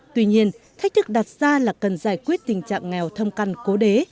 tuy nhiên thách thức đặt ra là cần giải quyết tình trạng nghèo thâm căn cố đế